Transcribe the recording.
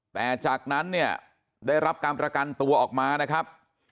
แต่จากนั้นเนี่ยได้รับการประกันตัวออกมานะครับ